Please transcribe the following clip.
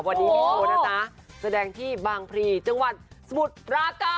วันนี้มีโทษนะคะแสดงที่บางพรีจังหวัดสมุทรราต่อน